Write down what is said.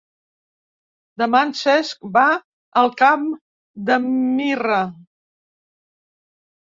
Demà en Cesc va al Camp de Mirra.